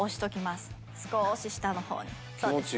少し下の方にそうですね。